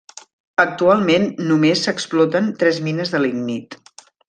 Actualment només s'exploten tres mines de lignit.